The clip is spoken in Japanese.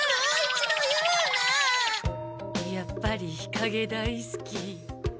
やっぱり日かげ大すき。